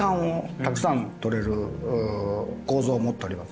たくさんとれる構造を持っております。